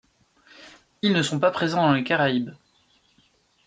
Ils ne sont pas présents dans les Caraïbes.